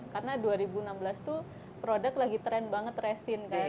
karena dua ribu enam belas tuh produk lagi trend banget resin kan